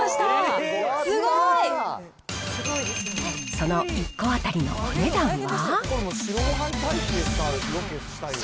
その１個当たりのお値段は？